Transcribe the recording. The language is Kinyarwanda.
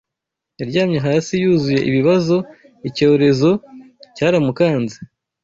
Yaryamye hasi yuzuye ibibazo icyorezo cyaramukanze